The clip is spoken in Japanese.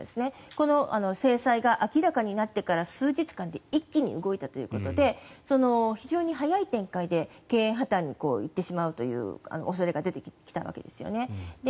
この制裁が明らかになってから数日間で一気に動いたということで非常に早い展開で経営破たんに行ってしまうという恐れが出てきたわけですよね。